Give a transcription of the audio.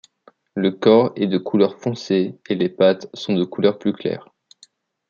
Le corps est de couleur foncé et les pattes sont de couleur plus claire.